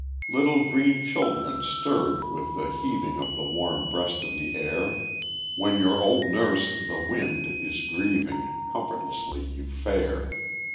Little green children stirred with the heaving Of the warm breast of the air, When your old nurse, the wind, is grieving Comfortlessly you fare.